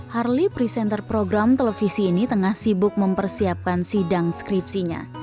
harley presenter program televisi ini tengah sibuk mempersiapkan sidang skripsinya